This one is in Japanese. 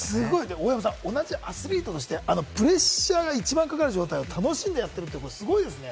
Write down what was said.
大山さん、同じアスリートとしてプレッシャーがかかる状態を楽しんでやっているって、すごいですよね。